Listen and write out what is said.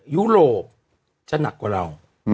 ยุโรปจะหนักกว่าเรา